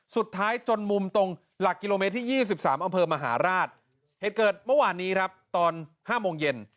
จนมุมตรงหลักกิโลเมตรที่๒๓อำเภอมหาราชเหตุเกิดเมื่อวานนี้ครับตอน๕โมงเย็น